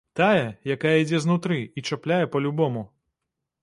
Тая, якая ідзе знутры і чапляе па-любому.